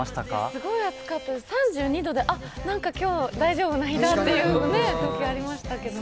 すごい暑かったです、３２度で何か今日、大丈夫な日だというときありましたよね。